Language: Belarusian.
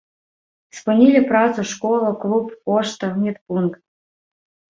Спынілі працу школа, клуб, пошта, медпункт.